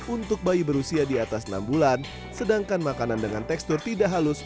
untuk bayi berusia di atas enam bulan sedangkan makanan dengan tekstur tidak halus